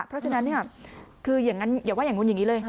เพราะฉะนั้นคืออย่างนั้นอย่าว่าอย่างนู้นอย่างนี้เลย